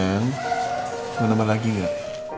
dan mau nemba lagi gak